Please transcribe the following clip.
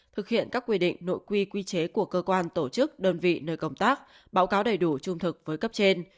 thực hiện các quy định nội quy quy chế của cơ quan tổ chức đơn vị nơi công tác báo cáo đầy đủ trung thực với cấp trên